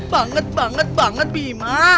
banget banget banget bima